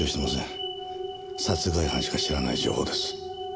殺害犯しか知らない情報です。